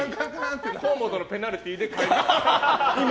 河本のペナルティーで帰れ。